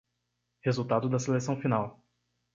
Resultado da seleção final